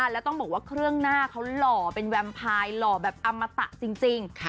แล้วต้องบอกว่าเครื่องหน้าเขาหล่อเป็นแวมพายหล่อแบบอมตะจริง